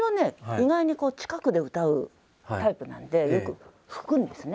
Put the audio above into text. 意外に近くで歌うタイプなんでよく吹くんですね。